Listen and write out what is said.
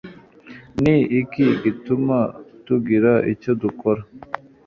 ni iki gituma tugira icyo dukora